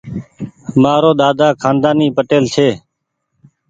مآرو ۮاۮا کآندآني پٽيل ڇي۔